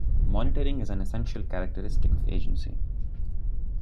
Monitoring is an essential characteristic of agency.